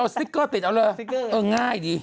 ก็เอาสติกเกอร์ติดเอาเลยเออง่ายดี